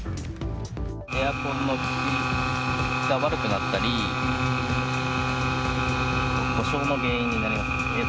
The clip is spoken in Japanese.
エアコンの効きが悪くなったり、故障の原因になりますね。